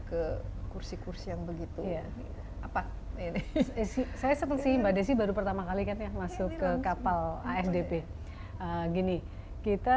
ke kursi kursi yang begitu saya setuju mbak desy baru pertama kali masuk ke kapal asdp gini kita